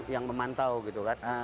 yang memantau gitu kan